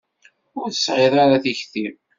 Ur tesεiḍ ara tikti.